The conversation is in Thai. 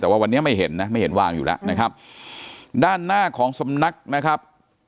แต่ว่าวันนี้ไม่เห็นนะไม่เห็นวางอยู่แล้วนะครับด้านหน้าของสำนักนะครับ